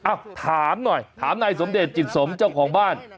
ถามหน่อยถามนายสมเดชจิตสมเจ้าของบ้าน